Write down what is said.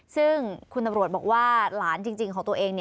ซึ่งคุณตำรวจบอกว่าหลานจริงของตัวเอง